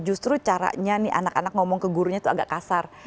justru caranya nih anak anak ngomong ke gurunya itu agak kasar